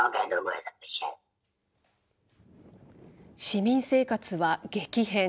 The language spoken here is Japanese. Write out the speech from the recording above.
市民生活は激変。